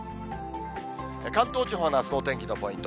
関東地方のあすのお天気のポイント。